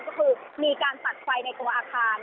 ก็คือมีการตัดไฟในตัวอาคาร